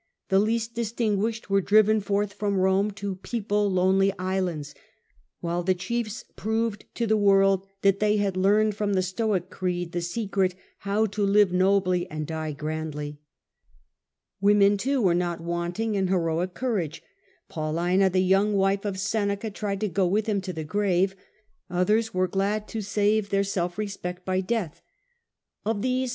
The least distinguished were driven forth from Rome to people lonely islands, while the chiefs proved other to the world that they had learned from the victims, Stoic creed the secret how to live nobly and die grandly. Women too were not wanting in heroic courage. Paulina, the young wife of Seneca, among the tried to go with him to the grave. Others were glad to save their self respect by death. Of these 1 • 1 16 The Earlier Effipire. a.d.